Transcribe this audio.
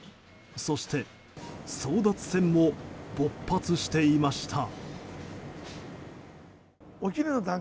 そして、争奪戦も勃発していました。